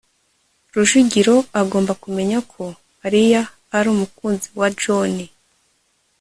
rujugiro agomba kumenya ko mariya ari umukunzi wa john